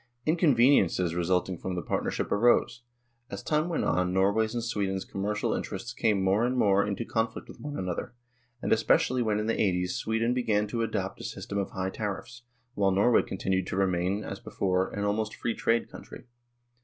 Inconveniences resulting from the partnership arose ; as time went on Norway's and Sweden's commercial interests came more and more into conflict with one another, and especially when in the '8o's Sweden began to adopt a system of high tariffs, while Norway continued to remain, as before, an almost Free Trade country.